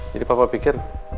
jadi papa pikir